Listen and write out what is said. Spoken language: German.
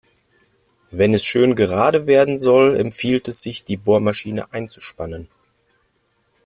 Wenn es schön gerade werden soll, empfiehlt es sich, die Bohrmaschine einzuspannen.